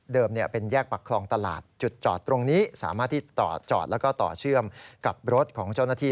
เป็นแยกปักคลองตลาดจุดจอดตรงนี้สามารถที่จอดแล้วก็ต่อเชื่อมกับรถของเจ้าหน้าที่